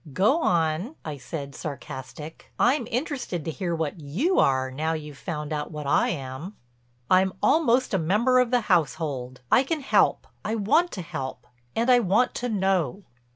"Go on," I said sarcastic. "I'm interested to hear what you are now you've found out what I am." "I'm almost a member of the household. I can help. I want to help—and I want to know."